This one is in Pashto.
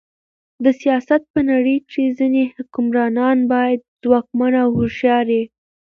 د سیاست په نړۍ کښي ځيني حکمرانان باید ځواکمن او هوښیار يي.